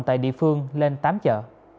tại địa phương lên tám chợ